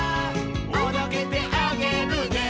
「おどけてあげるね」